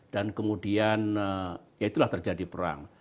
dan kemudian ya itulah terjadi perang